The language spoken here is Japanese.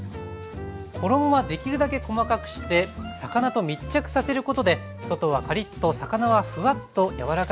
衣はできるだけ細かくして魚と密着させることで外はカリッと魚はフワッと柔らかく仕上がります。